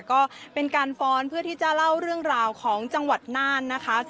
ก็เป็นการฟ้อนเพื่อที่จะเล่าเรื่องราวของจังหวัดน่านนะคะ